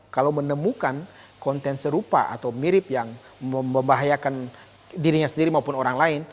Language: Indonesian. kalau menemukan konten serupa atau mirip yang membahayakan dirinya sendiri maupun orang lain